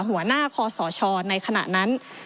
หัวหน้าคอสชในขณะนั้น